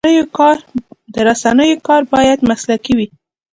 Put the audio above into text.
د رسنیو کار باید مسلکي وي.